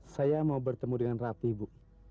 saya mau bertemu dengan rapi bu